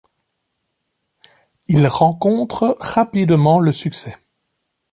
Il rencontre rapidement le succès.